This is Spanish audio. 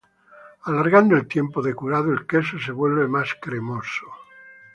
Alargando el tiempo de curado, el queso se vuelve más cremoso.